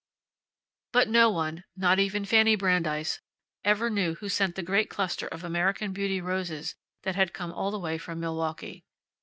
But no one not even Fanny Brandeis ever knew who sent the great cluster of American Beauty roses that had come all the way from Milwaukee.